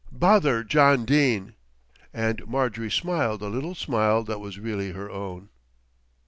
Bother John Dene!" and Marjorie smiled a little smile that was really her own.